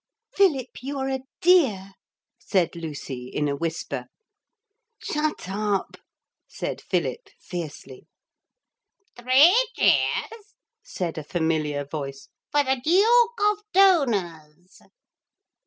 'Philip, you're a dear,' said Lucy in a whisper. 'Shut up,' said Philip fiercely. 'Three cheers,' said a familiar voice, 'for the Duke of Donors.'